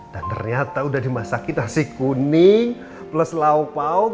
dan ternyata udah dimasakin nasi kuning plus lauk lauk